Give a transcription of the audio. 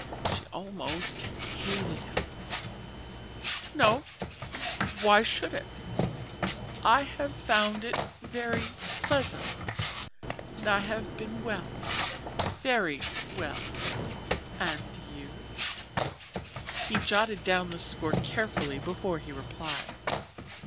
She almost hated him. "No why should it? I have found it very pleasant and I have been well very well. And you?" He jotted down the score carefully before he replied.